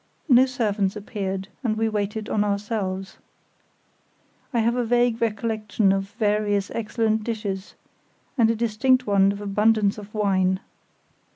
No servants appeared, and we waited on ourselves. I have a vague recollection of various excellent dishes, and a distinct one of abundance of wine.